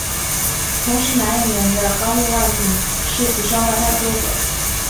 同为男演员的高木万平是其双胞胎哥哥。